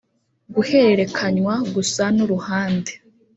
guhererekanywa gusa n uruhande